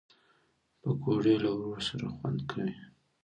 پکورې له ورور سره خوند کوي